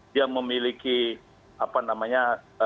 dia memiliki apa namanya